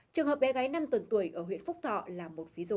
trường hợp bé gái năm tuần tuổi ở huyện phúc thọ là một ví dụ